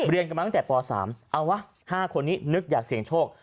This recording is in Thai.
เรียนกันมาตั้งแต่ป๓เอาวะ๕คนนี้นึกอยากเสี่ยงโชค